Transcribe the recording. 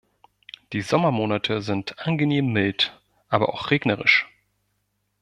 Die Sommermonate sind angenehm mild, aber auch regnerisch.